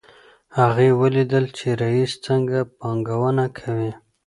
هغې ولیدل چې رییس څنګه پانګونه کوي.